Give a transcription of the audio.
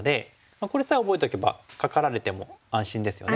これさえ覚えておけばカカられても安心ですよね。